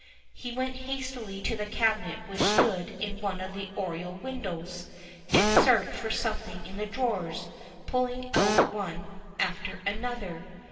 He went hastily to the cabinet which stood in one of the oriel windows, and searched for something in the drawers, pulling out one after another.